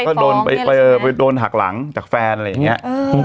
ก็โดนไปเออไปโดนหากหลังจากแฟนอะไรอย่างเงี้ยอืม